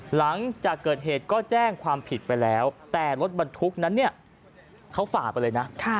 หลังจากเกิดเหตุก็แจ้งความผิดไปแล้วแต่รถบรรทุกนั้นเนี่ยเขาฝ่าไปเลยนะ